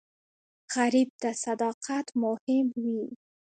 غریب ته صداقت مهم وي